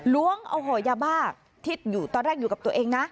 ล้วงเอาห่อยยาบ้าถิดตอนแรกอยู่ดับตัวเองนะ